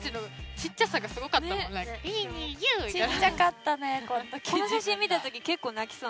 ちっちゃかったねこの時。